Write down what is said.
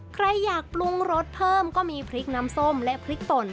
ใครอยากปรุงรสเพิ่มก็มีพริกน้ำส้มและพริกป่น